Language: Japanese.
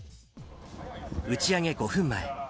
打ち上げ５分前。